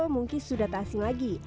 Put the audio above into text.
mungkin sudah tak asing lagi